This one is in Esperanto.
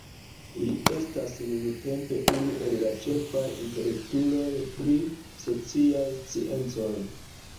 Li estas nuntempe unu el la ĉefaj intelektuloj pri sociaj sciencoj.